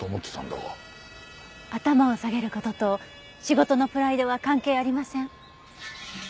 頭を下げる事と仕事のプライドは関係ありません。